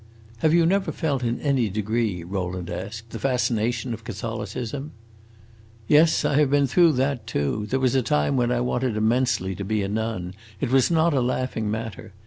"Have you never felt in any degree," Rowland asked, "the fascination of Catholicism?" "Yes, I have been through that, too! There was a time when I wanted immensely to be a nun; it was not a laughing matter.